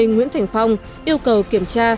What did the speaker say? nguyễn thành phong yêu cầu kiểm tra